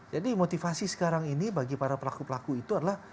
jadi motivasi sekarang ini bagi para pelaku pelaku itu adalah